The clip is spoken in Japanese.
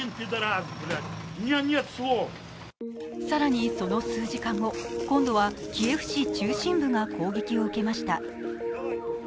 更にその数時間後、今度はキエフ市中心部が攻撃を受けました。